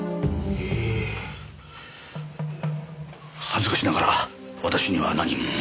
恥ずかしながら私には何も。